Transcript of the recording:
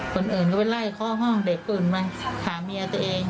คนอื่นก็ไปไล่เคาะห้องเด็กอื่นไปหาเมียตัวเอง